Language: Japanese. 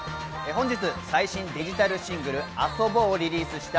本日最新デジタルシングル『ＡＳＯＢＯ』をリリースした